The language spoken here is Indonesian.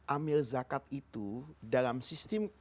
amil zakat itu dalam sistem